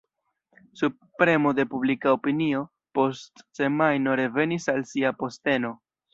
Sub premo de publika opinio post semajno revenis al sia posteno.